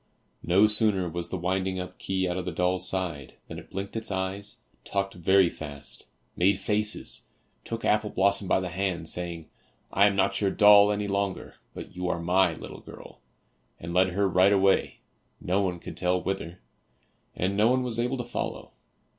No sooner was the winding up key out of the doll's side than it blinked its eyes, talked very fast, made faces, took Apple blossom by the hand, saying, "I am not your doll any longer, but you are my little girl," and led her right away no one could tell whither, and no one was able to follow.